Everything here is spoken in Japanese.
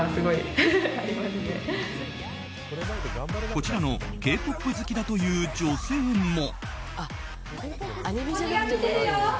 こちらのＫ‐ＰＯＰ好きだという女性も。